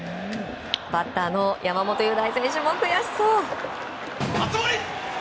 バッターの山本祐大選手も悔しそう！